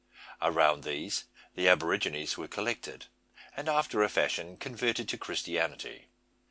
Around these the aborigines were collected, and after a fashion converted to Christianity.